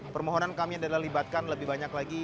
pertama di jokowi